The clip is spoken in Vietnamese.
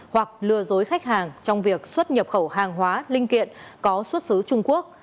hoặc lừa dối khách hàng trong việc xuất nhập khẩu hàng hóa linh kiện có xuất xứ trung quốc